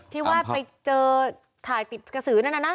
ที่ว่าไปเจอถ่ายกระสือนั่นนะ